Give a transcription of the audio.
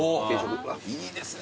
いいですね